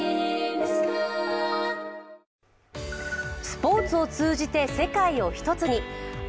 スポーツを通じて世界を１つに。